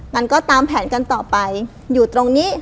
มันก็ตามแผนกันต่อไปอยู่ตรงนี้